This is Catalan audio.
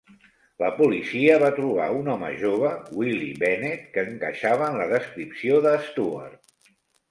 La policia va trobar un home jove, Willie Bennett, que encaixava en la descripció de Stuart.